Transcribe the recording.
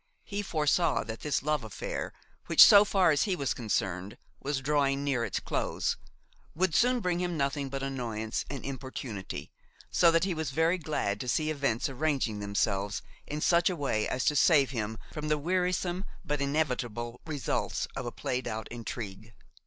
He foresaw that this love affair which, so far as he was concerned, was drawing near its close, would soon bring him nothing but annoyance and importunity, so that he was very glad to see events arranging themselves in such a way as to save him from the wearisome but inevitable results of a played out intrigue.